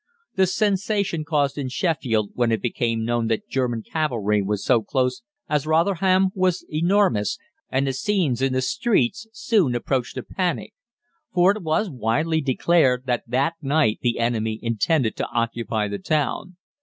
"The sensation caused in Sheffield when it became known that German cavalry were so close as Rotherham was enormous, and the scenes in the streets soon approached a panic; for it was wildly declared that that night the enemy intended to occupy the town.